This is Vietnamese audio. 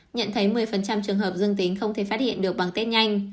nhận thấy một mươi trường hợp dương tính không thể phát hiện được bằng test nhanh